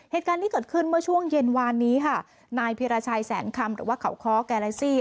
เหตุการณ์ที่เกิดขึ้นเมื่อช่วงเย็นวานนี้ค่ะนายพิราชัยแสนคำหรือว่าเขาค้อแกไลซี่